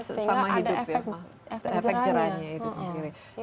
sehingga ada efek jerannya